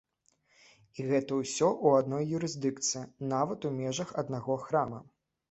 І гэта ўсё ў адной юрысдыкцыі, нават у межах аднаго храма!